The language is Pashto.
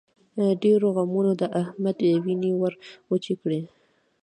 ډېرو غمونو د احمد وينې ور وچې کړې.